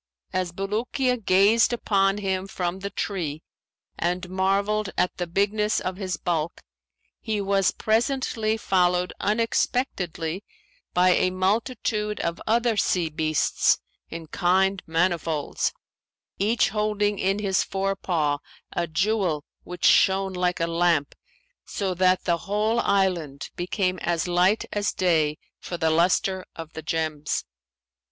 As Bulukiya gazed upon him from the tree and marvelled at the bigness of his bulk, he was presently followed unexpectedly by a multitude of other sea beasts in kind manifolds, each holding in his fore paw a jewel which shone like a lamp, so that the whole island became as light as day for the lustre of the gems.